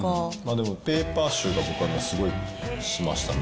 でもペーパー臭が僕はすごいしましたね。